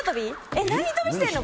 えっ何跳びしてんの？